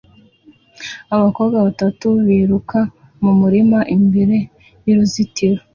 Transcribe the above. Abakobwa batatu biruka mu murima imbere y'uruzitiro